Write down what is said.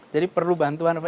jadi perlu bantuan apa